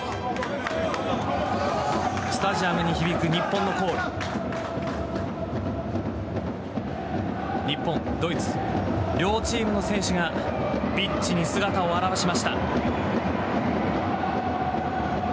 スタジアムに響く日本のコール日本、ドイツ両チームの選手がピッチに姿を現しました。